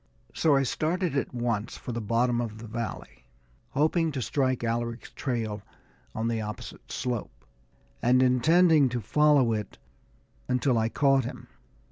So I started at once for the bottom of the valley, hoping to strike Alaric's trail on the opposite slope, and intending to follow it until I caught him.